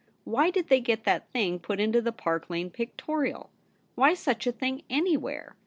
Why did they get that thing put into the Park Lane Pictorial ? Why such a thing anywhere